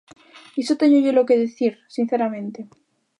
Iso téñollelo que dicir, sinceramente.